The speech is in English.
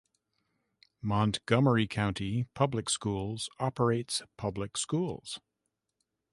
Montgomery County Public Schools operates public schools.